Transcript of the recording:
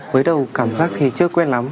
với đầu cảm giác thì chưa quen lắm